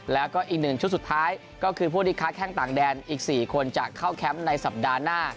แล้วก็อีก๑ชุดสุดท้ายก็คือผู้ที่ค้าแข้งต่างแดนอีก๔คนจะเข้าแคมป์ในสัปดาห์หน้า